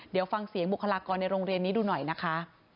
เดี๋ยวฟังเสียงบุคลากรในโรงเรียนนี้ดูหน่อยนะคะ